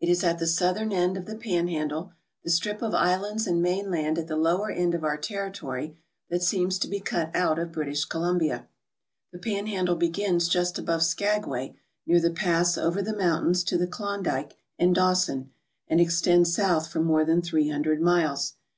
It is at the southern end of the Panhandle, the strip of islands and mainland at the 1 lower end of our territory that seems to be cut out of British Columbia. The Panhandle begins just atove Skagway near the pass over the mountains to the Klondike and Dawson, and extends south for more than thrte hundred miles.